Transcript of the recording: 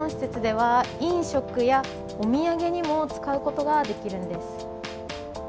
こちらの施設では飲食やお土産にも使うことができるんです。